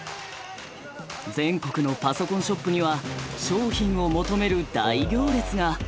全国のパソコンショップには商品を求める大行列が！